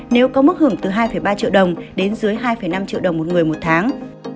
nếu có mức hưởng từ hai ba triệu đồng đến dưới hai năm triệu đồng một người một tháng